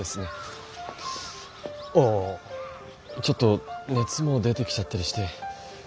ちょっと熱も出てきちゃったりして。